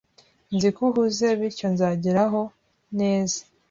Nzi ko uhuze, bityo nzageraho neza